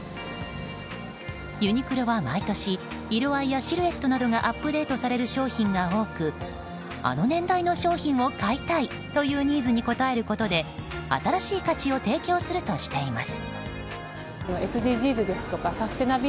ユニクロは毎年色合いやシルエットなどがアップデートされる商品が多くあの年代の商品を買いたいというニーズに応えることで新しい価値を提供するとしています。